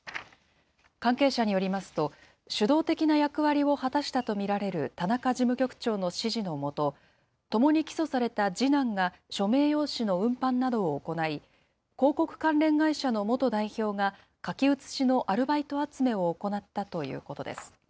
関係者によりますと、主導的な役割を果たしたと見られる田中事務局長の指示の下、ともに起訴された次男が署名用紙の運搬などを行い、広告関連会社の元代表が書き写しのアルバイト集めを行ったということです。